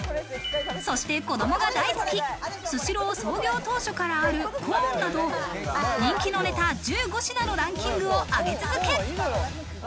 そして子供が大好き、スシロー創業当初からあるコーンなど、人気のネタ１５品のランキングを上げ続け。